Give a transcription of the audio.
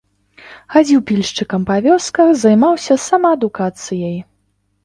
Хадзіў пільшчыкам па вёсках, займаўся самаадукацыяй.